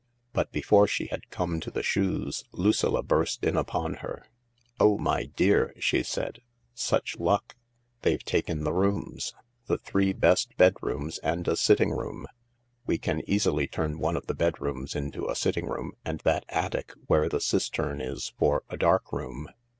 But before she had come to the shoes Lucilla burst in upon her. " Oh, my dear 1 " she said. " Such luck I They've taken the rooms — the three best bedrooms and a sitting room ; we can easily turn one of the bedrooms into a sitting room, and that attic where the cistern is for a dark room.